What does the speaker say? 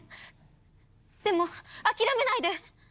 でも諦めないで！